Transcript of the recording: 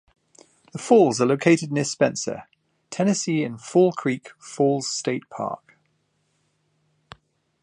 The falls are located near Spencer, Tennessee in Fall Creek Falls State Park.